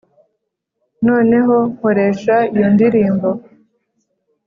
noneho nkoresha iyo ndirimbo